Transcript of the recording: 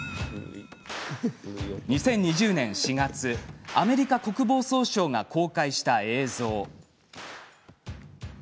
２０２０年４月アメリカ国防総省が公開した映像。